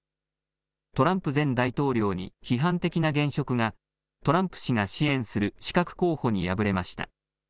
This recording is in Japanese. トランプ前大統領に批判的な現職がトランプ氏が支援する刺客候補に敗れました。